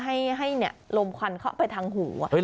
ให้ลมควันเข้าไปทางหู